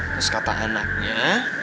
terus kata anaknya